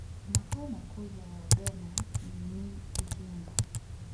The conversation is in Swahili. makao makuu ya Wabena ni iringa